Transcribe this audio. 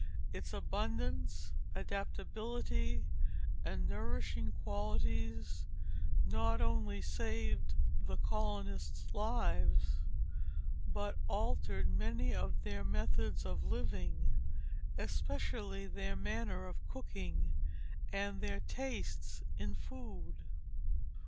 Its abundance, adaptability, and nourishing qualities not only saved the colonists' lives, but altered many of their methods of living, especially their manner of cooking and their tastes in food.